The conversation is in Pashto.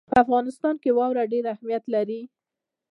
په افغانستان کې واوره ډېر اهمیت لري.